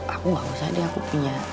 aku gak usah deh aku punya